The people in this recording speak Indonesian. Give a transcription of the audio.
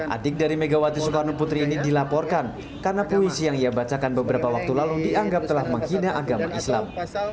adik dari megawati soekarno putri ini dilaporkan karena puisi yang ia bacakan beberapa waktu lalu dianggap telah menghina agama islam